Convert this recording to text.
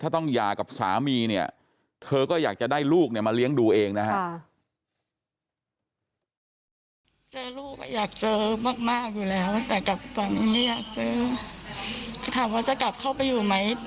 ถามว่าจะกลับเข้าไปอยู่ไหม